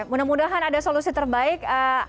mudah mudahan ada solusi terbaik